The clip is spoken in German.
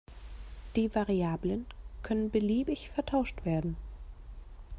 Die Variablen können beliebig vertauscht werden.